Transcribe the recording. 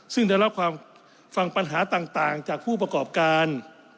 ซึ่งได้รับความฟังปัญหาต่างจากผู้ประกอบการ